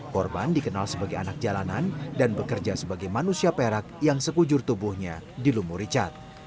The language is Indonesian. korban dikenal sebagai anak jalanan dan bekerja sebagai manusia perak yang sekujur tubuhnya dilumuri cat